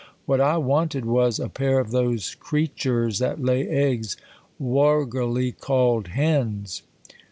What I wanted, Wc^s, a pair of those creatchures that lay eggs, wulgarly cd lied hens.